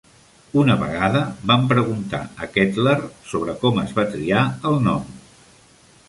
Una vegada van preguntar a Kettler sobre com es va triar el nom.